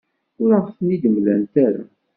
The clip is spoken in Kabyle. Ur aɣ-ten-id-mlant ara.